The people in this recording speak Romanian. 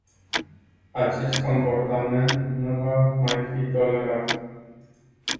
Acest comportament nu va mai fi tolerat.